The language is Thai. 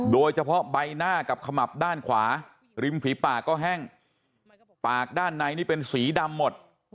โดยเฉพาะใบหน้ากับขมับด้านขวาริมฝีปากก็แห้งปากด้านในนี่เป็นสีดำหมด